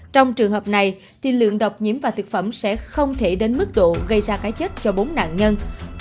trong trường hợp này thì lượng độc nhiễm và thực phẩm sẽ không thể đến mức độ gây ra cái chết cho bốn nạn nhân